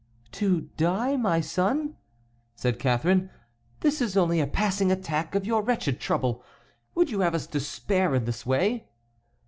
"To die, my son?" said Catharine. "This is only a passing attack of your wretched trouble. Would you have us despair in this way?"